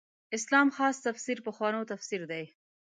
اسلام خاص تفسیر پخوانو تفسیر دی.